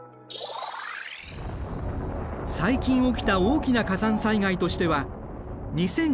最近起きた大きな火山災害としては２０１４年の御嶽山。